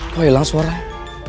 kok hilang suaranya